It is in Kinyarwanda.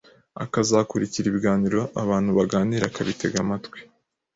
akazikurikira n’ibiganiro abantu baganira akabitega amatwi.